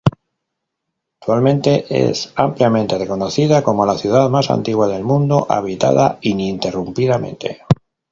Actualmente, es ampliamente reconocida como la ciudad más antigua del mundo habitada ininterrumpidamente.